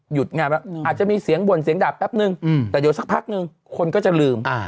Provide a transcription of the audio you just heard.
งานแล้วอาจจะมีเสียงบ่นเสียงดาบแป๊บนึงแต่เดี๋ยวสักพักนึงคนก็จะลืม